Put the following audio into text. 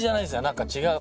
何か違う。